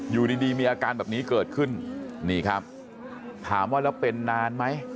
อยู่ดีมีอาการแบบนี้เกิดขึ้นนี่ครับถามว่าแล้วเป็นนานไหม